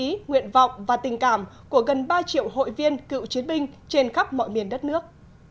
ý nguyện vọng và tình cảm của gần ba triệu hội viên cựu chiến binh trên khắp mọi miền đất nước